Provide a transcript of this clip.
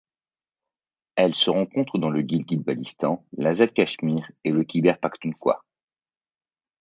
Elle se rencontre dans le Gilgit-Baltistan, l'Azad Cachemire et le Khyber Pakhtunkhwa.